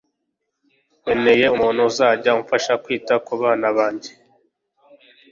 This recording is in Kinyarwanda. Nkeneye umuntu uzajya umfasha kwita kubana banjye